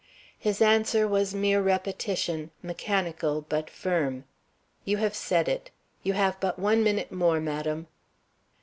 His answer was mere repetition, mechanical, but firm: "You have said it. You have but one minute more, madam."